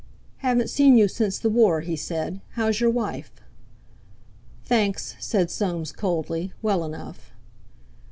"Haven't seen you since the War," he said. "How's your wife?" "Thanks," said Soames coldly, "well enough."